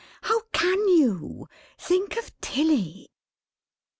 How can you! Think of Tilly!"